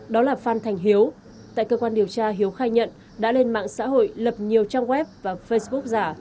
đó là phan thành hiếu tại cơ quan điều tra hiếu khai nhận đã lên mạng xã hội lập nhiều trang web và facebook giả